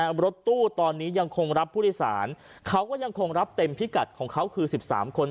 รถตู้ตอนนี้ยังคงรับผู้โดยสารเขาก็ยังคงรับเต็มพิกัดของเขาคือ๑๓คน